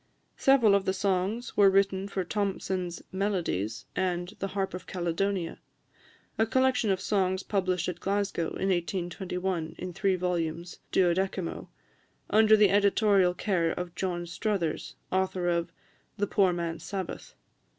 Several of the songs were written for Thomson's "Melodies," and "The Harp of Caledonia," a collection of songs published at Glasgow in 1821, in three vols. 12mo, under the editorial care of John Struthers, author of "The Poor Man's Sabbath."